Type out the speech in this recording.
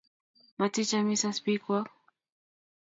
Maticham isas biik kwok.